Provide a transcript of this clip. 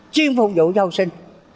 chuyên phục vụ cho học sinh